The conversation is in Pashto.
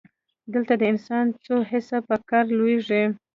دلته د انسان څو حسه په کار لویږي.